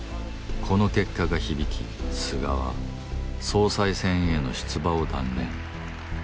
この結果が響き菅は総裁選への出馬を断念